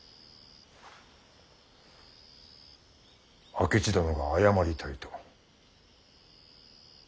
明智殿が謝りたいと。